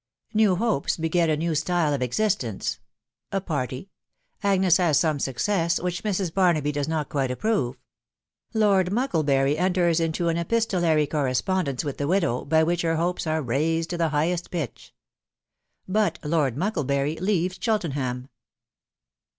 VIW HOPES BEGET A NEW STYLE OF EXISTENCE. A PARTY. AGJTBS HAS SOUK SUCCESS, WHICH MRS. BARNABY DOES NOT QUITS APVBOVJL LORD MUCKLEBURY ENTERS INTO EPISTOLARY CO&RXSPOlfDESCS WITH THE WIDOW, BT WHICH HER HOPES ARE itAig^p TO HlflHWlf PITCH, BUT LORD MUCKXEBURr LEAVES CHELTENHAM.